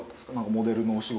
モデルのお仕事とかは。